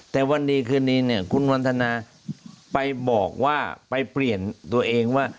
แต่วันดีคืนนี้เนี่ยคุณวันทนาไปบอกว่าไปเปลี่ยนตัวเองว่า